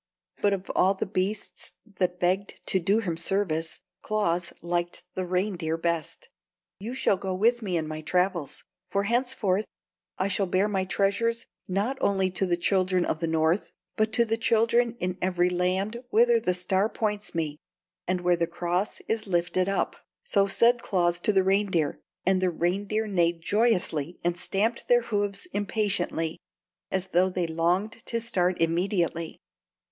But of all the beasts that begged to do him service, Claus liked the reindeer best. "You shall go with me in my travels; for henceforth I shall bear my treasures not only to the children of the North, but to the children in every land whither the Star points me and where the cross is lifted up!" So said Claus to the reindeer, and the reindeer neighed joyously and stamped their hoofs impatiently, as though they longed to start immediately.